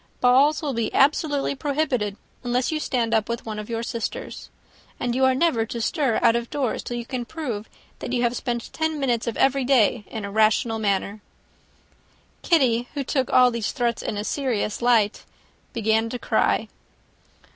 Balls will be absolutely prohibited, unless you stand up with one of your sisters. And you are never to stir out of doors, till you can prove that you have spent ten minutes of every day in a rational manner." Kitty, who took all these threats in a serious light, began to cry.